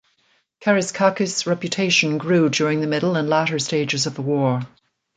Karaiskakis's reputation grew during the middle and latter stages of the war.